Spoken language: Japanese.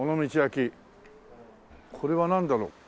これはなんだろう？